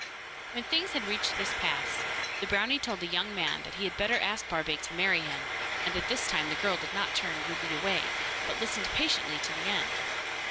When things had reached this pass, the brownie told the young man that he had better ask Barbaik to marry him, and this time the girl did not turn rudely away, but listened patiently to the end.